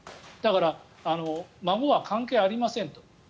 だから、孫は関係ありませんと。